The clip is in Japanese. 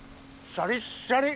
シャリッシャリ！